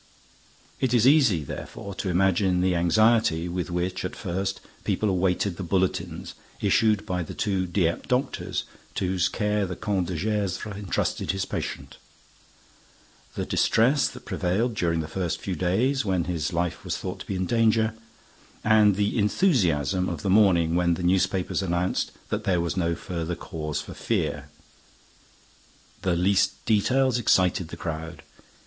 It is easy, therefore, to imagine the anxiety with which, at first, people awaited the bulletins issued by the two Dieppe doctors to whose care the Comte de Gesvres entrusted his patient; the distress that prevailed during the first few days, when his life was thought to be in danger; and the enthusiasm of the morning when the newspapers announced that there was no further cause for fear. The least details excited the crowd.